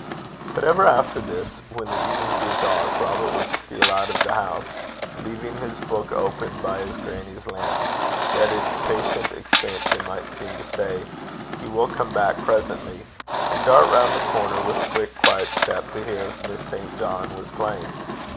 But ever after this, when the evening grew dark, Robert would steal out of the house, leaving his book open by his grannie's lamp, that its patient expansion might seem to say, 'He will come back presently,' and dart round the corner with quick quiet step, to hear if Miss St. John was playing.